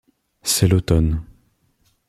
C'est l'automne.